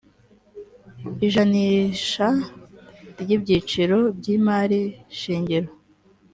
ijanisha ry’ibyiciro by’imari shingiro